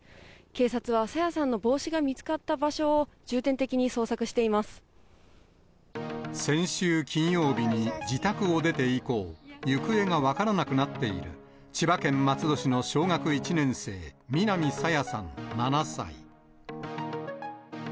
警察は朝芽さんの帽子が見つかった場所を、重点的に捜索していま先週金曜日に自宅を出て以降、行方が分からなくなっている千葉県松戸市の小学１年生、りました。